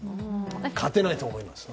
勝てないと思いますよ。